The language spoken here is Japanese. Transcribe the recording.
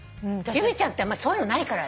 由美ちゃんってあんまそういうのないからね。